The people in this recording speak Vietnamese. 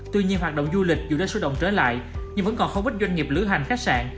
tuy nhiên hoạt động du lịch dù đã xuất động trở lại nhưng vẫn còn không ít doanh nghiệp lữ hành khách sạn